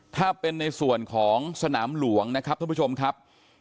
ถ้าเป็นในส่วนของสนามหลวงนะครับท่านผู้ชมครับ